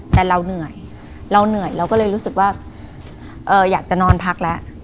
แต่เราเหนื่อยเราเหนื่อยเราก็เลยรู้สึกว่าอยากจะนอนพักแล้ว